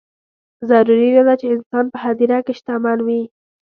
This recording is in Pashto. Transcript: ضروري نه ده چې انسان په هدیره کې شتمن وي.